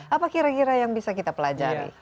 apa kira kira yang bisa kita pelajari